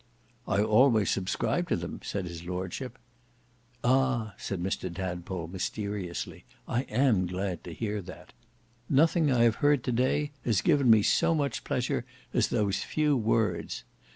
"I always subscribe to them," said his Lordship. "Ah!" said Mr Tadpole mysteriously, "I am glad to hear that. Nothing I have heard to day has given me so much pleasure as those few words.